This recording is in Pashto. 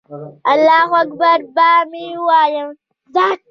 الله اکبر به مې وویل.